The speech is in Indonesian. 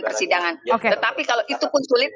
persidangan tetapi kalau itu pun sulit